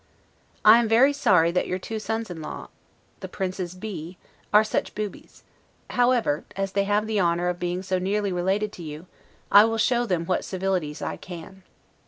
I am sorry that your two sons in law [?? D.W.], the Princes B , are such boobies; however, as they have the honor of being so nearly related to you, I will show them what civilities I can.